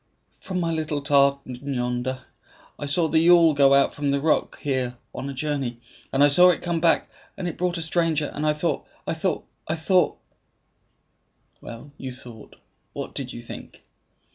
"From my little tartan yonder, I saw the yawl go out from the rock here on a journey, and I saw it come back, and it brought a stranger; and I thought I thought I thought " "Well, you thought what did you think?"